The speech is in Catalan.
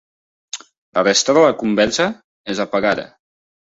La resta de la conversa és apagada.